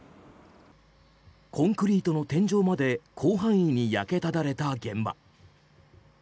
コンクリートの天井まで広範囲に焼けただれた現場。